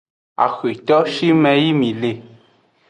Axweto shime yi mi le.